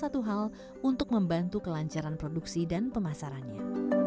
salah satu hal untuk membantu kelancaran produksi dan pemasarannya